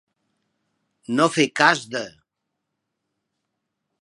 No fer cas de.